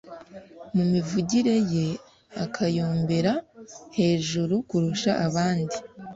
mu mivugire ye akayombera hejuru kurusha abandi